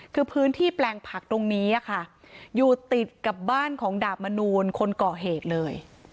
คือพื้นที่แปลงผักตรงนี้ค่ะอยู่ติดกับบ้านของดาบมนูลคนก่อเหตุเลย